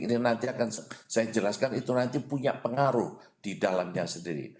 ini nanti akan saya jelaskan itu nanti punya pengaruh di dalamnya sendiri